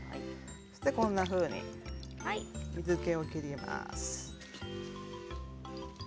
こんなふうに水けを切ります。